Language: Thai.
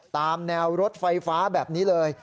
ตามแนวรถไฟฟ้าแบบนี้เลย